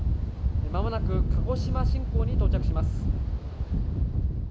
間もなく鹿児島新港に到着します。